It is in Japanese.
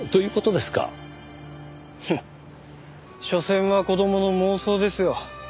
フッしょせんは子供の妄想ですよ。